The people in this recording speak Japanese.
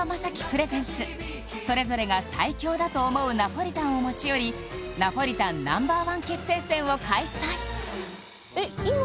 プレゼンツそれぞれが最強だと思うナポリタンを持ち寄りナポリタンＮｏ．１決定戦を開催